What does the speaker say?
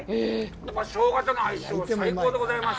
ショウガとの相性、最高でございます。